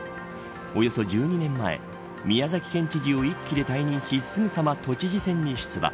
およそ１２年前宮崎県知事を１期で退任しすぐさま都知事選に出馬。